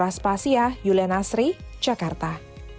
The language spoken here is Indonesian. raspasia yulia nasri jakarta